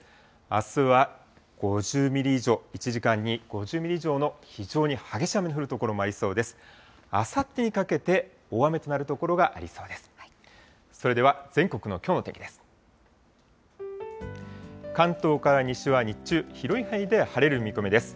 あすは５０ミリ以上、１時間に５０ミリ以上の非常に激しい雨の降る所もありそうです。